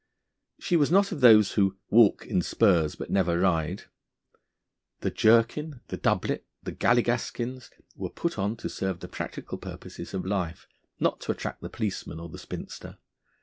She was not of those who 'walk in spurs but never ride.' The jerkin, the doublet, the galligaskins were put on to serve the practical purposes of life, not to attract the policeman or the spinster.